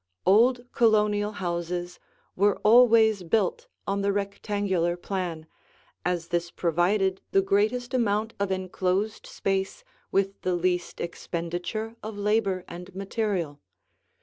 Old Colonial houses were always built on the rectangular plan, as this provided the greatest amount of enclosed space with the least expenditure of labor and material.